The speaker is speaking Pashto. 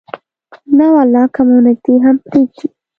نه ولا که مو نږدې هم پرېږدي.